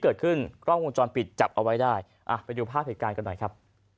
กล้องวงจรปิดจับเอาไว้ได้อ่ะไปดูภาพเหตุการณ์กันหน่อยครับ